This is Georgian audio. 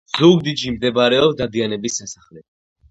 ზუგდიდში მდებარეობს დადიანების სასახლე.